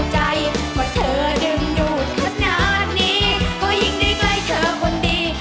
ว่าเธอดึงดูดขนาดนี้ก็ยิ่งได้ใกล้เธอคนดี